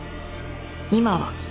今は。